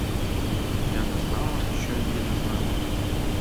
Я не знала, що він їде з нами.